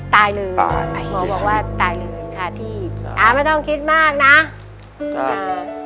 ตายเลยหมอบอกว่าตายเลยค่ะที่อ่าไม่ต้องคิดมากนะอืมอ่า